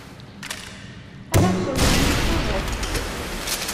A tafsut, d kemm i d tudert.